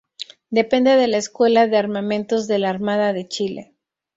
Depende de la Escuela de Armamentos de la Armada de Chile.